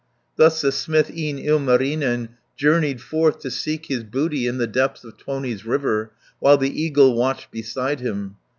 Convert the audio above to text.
Thus the smith, e'en Ilmarinen, Journeyed forth to seek his booty In the depths of Tuoni's river, While the eagle watched beside him.